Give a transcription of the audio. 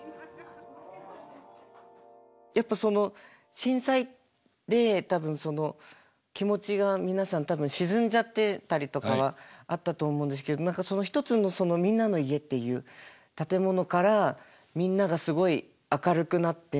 やっぱその震災で多分気持ちが皆さん多分沈んじゃってたりとかはあったと思うんですけど何かその一つのみんなの家っていう建物からみんながすごい明るくなって。